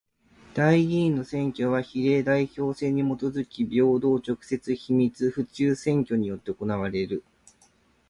代議員の選挙は比例代表制にもとづき平等、直接、秘密、普通選挙によって行われる。